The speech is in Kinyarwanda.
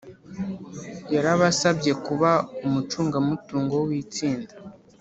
yarabasabye kuba umucungamutungo witsinda